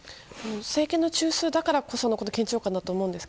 政権の中枢だからこその緊張感だったと思います。